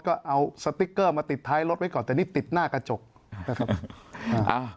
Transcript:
ก็เอาสติ๊กเกอร์มาติดท้ายรถไว้ก่อนแต่นี่ติดหน้ากระจกนะครับอ่า